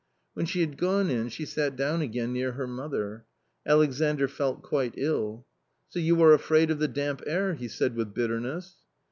When she had gone in, she sat down again near her mother. Alexandr felt quite ill. " So you are afraid of the damp air," he said with bitter ness.